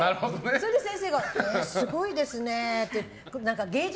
それで先生がすごいですねって